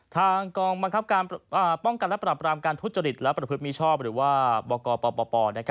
ทางกองบังคับการป้องกันและปรับรามการทุจริตและประพฤติมิชอบหรือว่าบกปป